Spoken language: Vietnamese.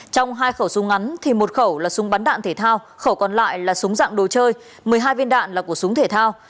trong hai khẩu súng ngắn thì một khẩu là súng bắn đạn thể thao khẩu còn lại là súng dạng đồ chơi một mươi hai viên đạn là của súng thể thao